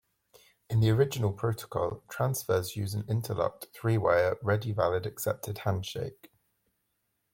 In the original protocol, transfers use an interlocked, three-wire "ready-valid-accepted" handshake.